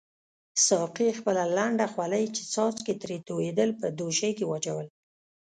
ساقي خپله لنده خولۍ چې څاڅکي ترې توییدل په دوشۍ کې واچول.